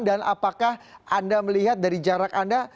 dan apakah anda melihat dari jarak anda